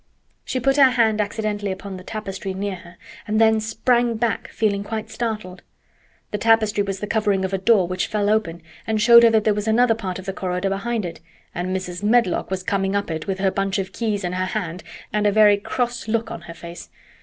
She put her hand accidentally upon the tapestry near her, and then sprang back, feeling quite startled. The tapestry was the covering of a door which fell open and showed her that there was another part of the corridor behind it, and Mrs. Medlock was coming up it with her bunch of keys in her hand and a very cross look on her face.